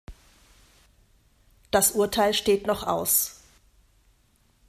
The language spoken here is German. Das Urteil steht noch aus.